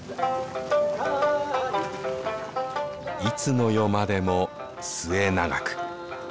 いつの世までも末永く。